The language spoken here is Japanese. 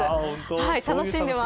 楽しんでます。